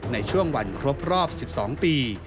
ในช่วงวันครบรอบ๑๒ปี